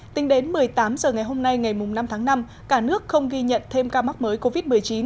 tính đến một mươi tám h ngày hôm nay ngày năm tháng năm cả nước không ghi nhận thêm ca mắc mới covid một mươi chín